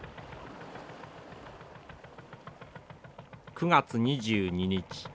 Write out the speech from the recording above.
９月２２日